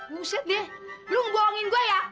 buset deh lu ngebohongin gua ya